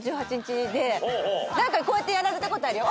こうやってやられたことあるよ。